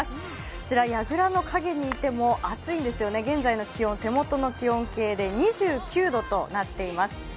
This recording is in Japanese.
こちら、やぐらの陰にいても暑いんですよね、現在の気温手元の気温計で２９度となっています。